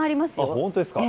本当ですか。